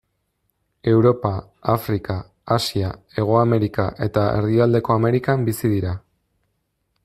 Europa, Afrika, Asia, Hego Amerika eta Erdialdeko Amerikan bizi dira.